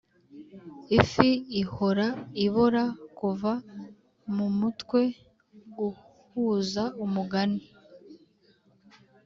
ifi ihora ibora kuva mumutwe guhuza umugani